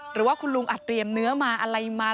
หรือว่าคุณลุงอาจเตรียมเนื้อมาอะไรมา